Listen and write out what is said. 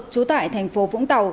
trú tại thành phố vũng tàu